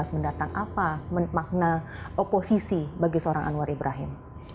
mendatang apa makna oposisi bagi seorang anwar ibrahim